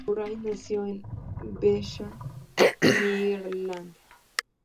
Murray nació en Bethesda, Maryland.